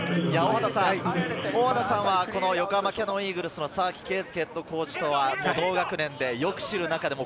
大畑さんは横浜キヤノンイーグルスの沢木敬介ＨＣと同学年でよく知る仲です。